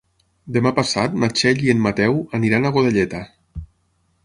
Demà passat na Txell i en Mateu aniran a Godelleta.